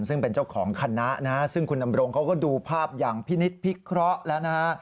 ซึ่งเป็นเจ้าของคณะนะฮะซึ่งคุณดำรงเขาก็ดูภาพอย่างพินิษฐ์พิเคราะห์แล้วนะฮะ